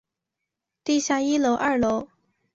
地下一楼二楼